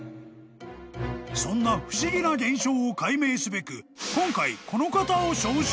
［そんな不思議な現象を解明すべく今回］